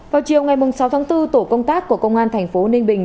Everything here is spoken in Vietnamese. vào chiều ngày sáu tháng bốn tổ công tác của công an thành phố ninh bình